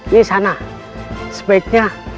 di sana sebaiknya